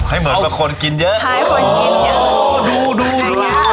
ให้เหมือนว่าคนกินเยอะใช่คนกินเยอะโอ้โหดูดูดูดู